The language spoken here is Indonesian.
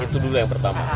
itu dulu yang pertama